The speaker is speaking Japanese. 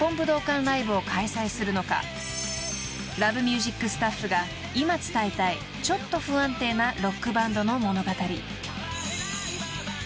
［『Ｌｏｖｅｍｕｓｉｃ』スタッフが今伝えたいちょっと不安定なロックバンドの物語］